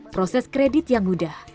proses kredit yang mudah